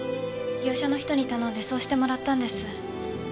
業者の人に頼んでそうしてもらったんです。